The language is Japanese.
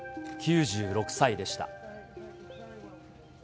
９６歳でした。